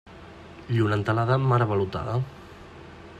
Lluna entelada, mar avalotada.